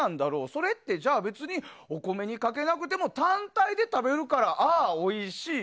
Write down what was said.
それってじゃあ別にお米にかけなくても単体で食べるからああ、おいしい。